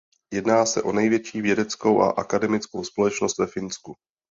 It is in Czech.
Jedná se o největší vědeckou a akademickou společnost ve Finsku.